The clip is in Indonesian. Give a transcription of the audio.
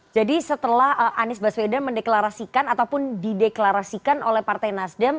jadi setelah anies baswedan mendeklarasikan ataupun dideklarasikan oleh partai nasdam